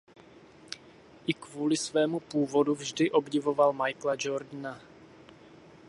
I kvůli svému původu vždy obdivoval Michaela Jordana.